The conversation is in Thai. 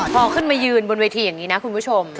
พอขึ้นมายืนบนเวทีอย่างนี้นะคุณผู้ชม